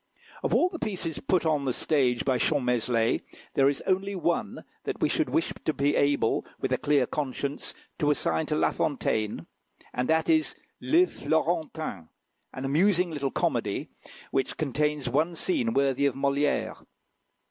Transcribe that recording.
Of all the pieces put on the stage by Champmeslé, there is only one that we should wish to be able, with a clear conscience, to assign to La Fontaine, and that is "Le Florentin," an amusing little comedy, which contains one scene worthy of Molière.